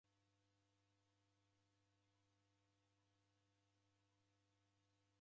Chia yew'uya yeko hao